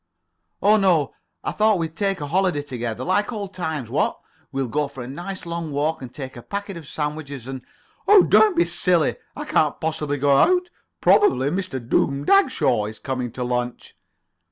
"Oh, no. I thought we'd take a holiday together. Like old times, what? We'll go for a nice long walk, and take a packet of sandwiches and——" "Oh, don't be silly. I can't possibly go out. Probably Mr. Doom Dagshaw is coming to lunch."